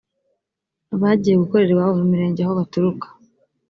bagiye gukorera iwabo mu mirenge aho baturuka